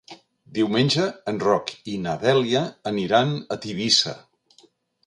Diumenge en Roc i na Dèlia aniran a Tivissa.